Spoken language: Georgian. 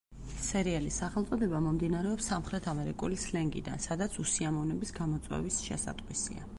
სერიალის სახელწოდება მომდინარეობს სამხრეთ ამერიკული სლენგიდან, სადაც „უსიამოვნების გამოწვევის“ შესატყვისია.